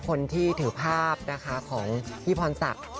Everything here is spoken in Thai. คนที่ถือภาพนะคะของพี่พรศักดิ์